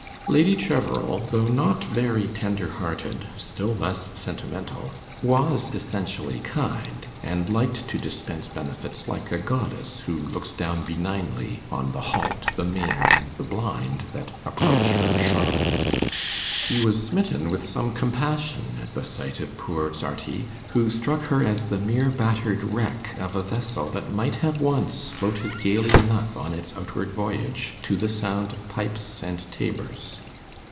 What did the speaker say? Lady Cheverel, though not very tender hearted, still less sentimental, was essentially kind, and liked to dispense benefits like a goddess, who looks down benignly on the halt, the maimed, and the blind that approach her shrine. She was smitten with some compassion at the sight of poor Sarti, who struck her as the mere battered wreck of a vessel that might have once floated gaily enough on its outward voyage to the sound of pipes and tabors.